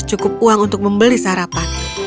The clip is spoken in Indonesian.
cukup uang untuk membeli sarapan